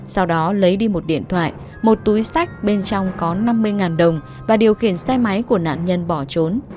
sau đó lấy đi một điện thoại một túi sách bên trong có năm mươi đồng và điều khiển xe máy của nạn nhân bỏ trốn